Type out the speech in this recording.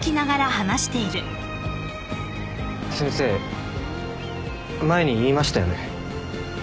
先生前に言いましたよね。